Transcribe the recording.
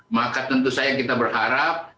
maka tentu saja kita berharap